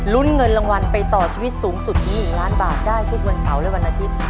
เงินรางวัลไปต่อชีวิตสูงสุดถึง๑ล้านบาทได้ทุกวันเสาร์และวันอาทิตย์